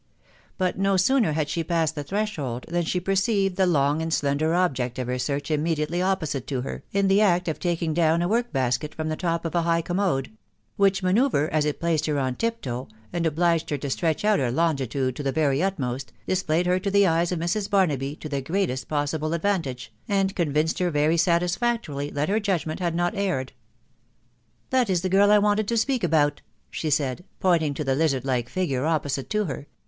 But no sooner had she passed the threshold than she perceived the long and slen der object of her search immediately opposite to her, in the act of taking down a work basket from the top of a high com mode; which manoeuvre, as it placed her on tip toe, and obliged her to stretch out her longitude to the very utmost, displayed her to the eyes of Mrs. Barnaby to the greatest possible advan. tage, and convinced her very satisfactorily that her judgmenr had not erred. " That is the girl I wanted to speak about," she said, pointing to the lizard like figure opposite to her.